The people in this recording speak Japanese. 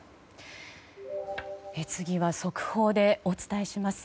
次は速報でお伝えします。